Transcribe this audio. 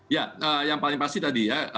ya yang paling pasti tadi ya